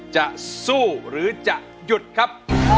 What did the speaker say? จะสู้หรือจะหยุดครับ